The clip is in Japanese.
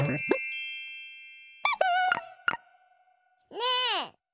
ねえ！